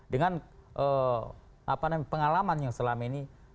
dengan pengalaman yang selama ini